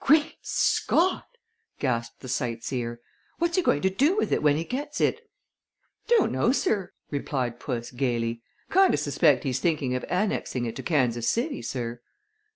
"Great Scott!" gasped the sight seer. "What's he going to do with it when he gets it?" "Don't know, sir," replied puss, gayly. "Kind of suspect he's thinking of annexing it to Kansas City, sir."